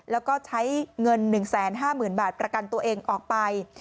แล้วก็ใช้เงินหนึ่งแสนห้าหมื่นบาทประกันตัวเองออกไป